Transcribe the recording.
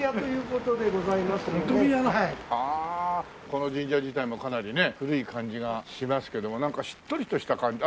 この神社自体もかなりね古い感じがしますけどもなんかしっとりとした感じ。